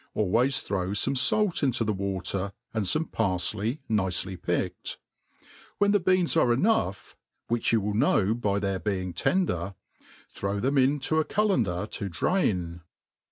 Always throw fome fait into the water^ and fome parfley, nicely picked. When the beans are enough (which you will know by their being tender), throw them in to a 'Cullender to drain.